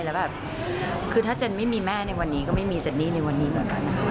แล้วแบบคือถ้าเจนไม่มีแม่ในวันนี้ก็ไม่มีเจนนี่ในวันนี้เหมือนกันนะคะ